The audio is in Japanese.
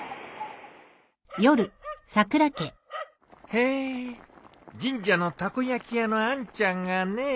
へえ神社のたこ焼き屋のあんちゃんがね。